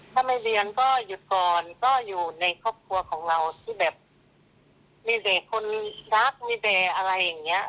ถ้าไม่เรียนก็หยุดก่อนก็อยู่ในครอบครัวของเราที่แบบมีเด็กคนรักมีเด็กอะไรอย่างนี้